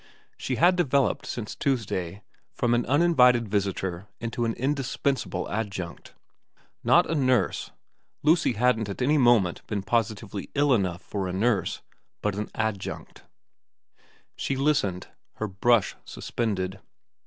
She had developed, since Tuesday, from an uninvited visitor into an indispensable adjunct. Not a nurse ; Lucy hadn't at any moment been positively ill enough for a nurse ; but an adjunct. xxx VERA 337 She listened, her brush suspended.